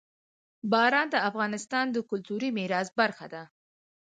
باران د افغانستان د کلتوري میراث برخه ده.